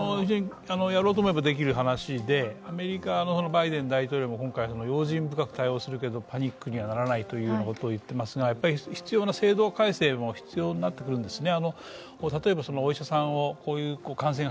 やろうと思えばできる話で、アメリカのバイデン大統領も今回、用心深く対応するけど、パニックにはならないと言っていますがやっぱり制度改正も必要になってくるんですね。